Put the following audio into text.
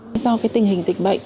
do cái tình hình dịch bệnh